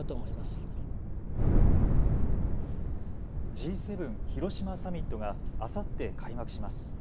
Ｇ７広島サミットがあさって開幕します。